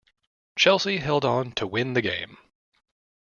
Chelsea held on to win the game.